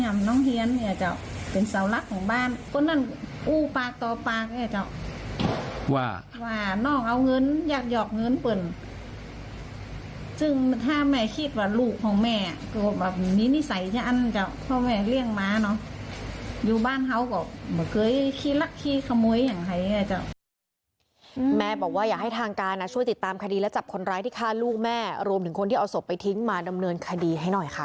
แม่อยากให้ทางการช่วยติดตามคดีและจับคนร้ายที่ฆ่าลูกแม่รวมถึงคนที่เอาศพไปทิ้งมาดำเนินคดีให้หน่อยค่ะ